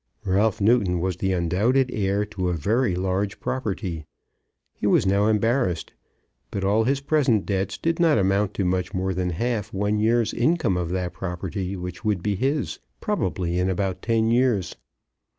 Ralph Newton was the undoubted heir to a very large property. He was now embarrassed, but all his present debts did not amount to much more than half one year's income of that property which would be his, probably in about ten years.